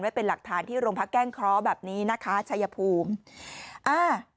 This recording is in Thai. เป็นหลักฐานที่โรงพักแก้งเคราะห์แบบนี้นะคะชัยภูมิอ่า